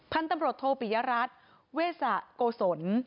พันธุ์ตำรวจโทปิยรัฐเวสะโกศล